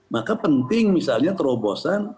maka penting misalnya terobosan